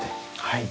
はい。